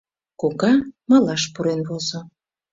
Кока малаш пурен возо.